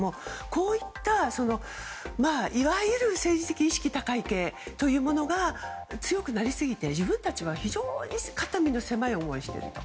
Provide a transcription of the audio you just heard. こういったいわゆる政治的意識高い系というものが強くなりすぎて自分たちは非常に肩身が狭い思いをしていると。